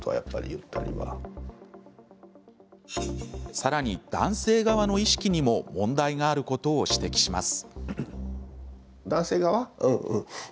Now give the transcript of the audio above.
さらに、男性側の意識にも問題があることを指摘します。